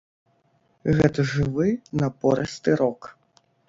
Гэта жывы, напорысты рок.